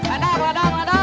adam adam adam